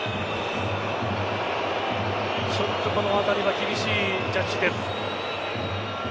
ちょっとこのあたりは厳しいジャッジです。